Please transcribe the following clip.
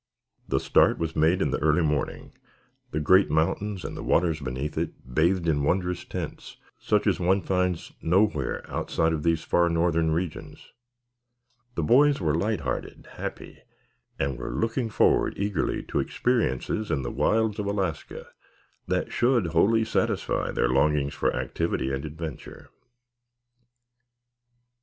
The start was made in the early morning, the great mountains and the waters beneath it bathed in wondrous tints such as one finds nowhere outside of these far northern regions. The boys were light hearted, happy, and were looking forward eagerly to experiences in the wilds of Alaska that should wholly satisfy their longings for activity and adventure.